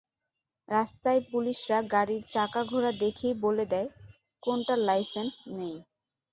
রাস্তায় পুলিশরা গাড়ির চাকা ঘোরা দেখেই বলে দেয়, কোনটার লাইসেন্স নেই।